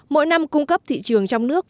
mỗi năm cung cấp thị trường trong nước